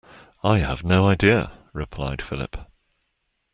I have no idea, replied Philip.